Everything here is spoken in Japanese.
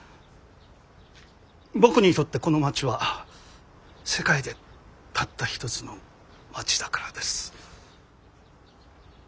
僕にとってこの町は世界でたったひとつの町だからです！